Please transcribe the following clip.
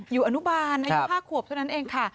อยู่อนุบาลในภาคกวบเท่านั้นเองค่ะ